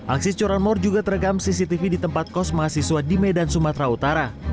aksi curanmor juga terekam cctv di tempat kos mahasiswa di medan sumatera utara